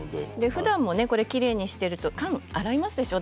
ふだんもきれいにしていると缶を洗いますでしょう。